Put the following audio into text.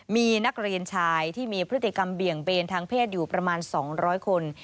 มีนักเรียนชายที่มีพฤติกรรมเบี่ยงเบนทางเพศอยู่ประมาณ๒๐๐คน